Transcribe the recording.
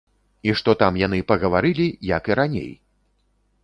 І што там яны пагаварылі, як і раней!